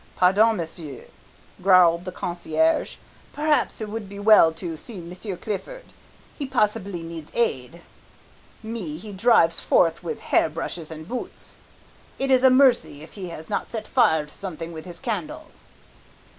"Pardon, monsieur," growled the concierge, "perhaps it would be well to see Monsieur Clifford. He possibly needs aid. Me he drives forth with hair brushes and boots. It is a mercy if he has not set fire to something with his candle."